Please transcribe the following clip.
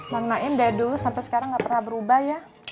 bang nain dari dulu sampe sekarang gak pernah berubah ya